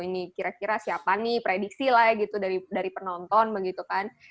ini kira kira siapa nih prediksi lah gitu dari penonton begitu kan